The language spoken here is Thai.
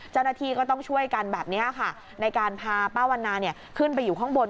เจ้าหน้าที่ก็ต้องช่วยกันแบบนี้ค่ะในการพาป้าวันนาขึ้นไปอยู่ข้างบน